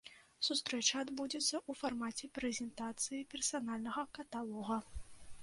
Сустрэча адбудзецца ў фармаце прэзентацыі персанальнага каталога.